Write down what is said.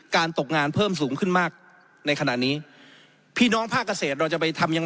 ตกงานเพิ่มสูงขึ้นมากในขณะนี้พี่น้องภาคเกษตรเราจะไปทำยัง